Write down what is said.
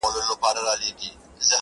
د زلفو څېوري دې په څيوري کې په ما مکوه